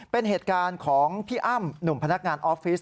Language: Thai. เป็นเหตุการณ์ของพี่อ้ำหนุ่มพนักงานออฟฟิศ